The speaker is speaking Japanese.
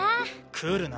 来るな。